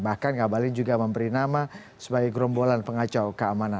bahkan ngabalin juga memberi nama sebagai gerombolan pengacau keamanan